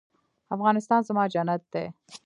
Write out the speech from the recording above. افغانستان زما جنت دی؟